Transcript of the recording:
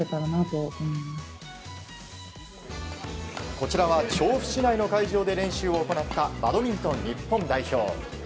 こちらは調布市内の会場で練習を行ったバドミントン日本代表。